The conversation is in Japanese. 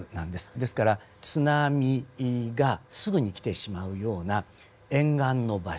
ですから津波がすぐに来てしまうような沿岸の場所ですね。